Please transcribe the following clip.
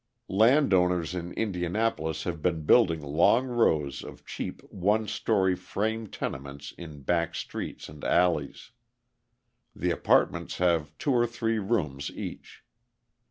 Landowners in Indianapolis have been building long rows of cheap one story frame tenements in back streets and alleys. The apartments have two or three rooms each.